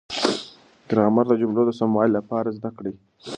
ګرامر د جملو د سموالي لپاره زده کړئ.